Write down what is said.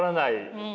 うん。